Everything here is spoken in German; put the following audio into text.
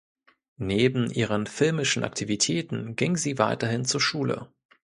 Neben ihren filmischen Aktivitäten ging sie weiterhin zur Schule.